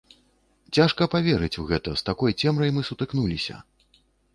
Цяжка паверыць у гэта, з такой цемрай мы сутыкнуліся!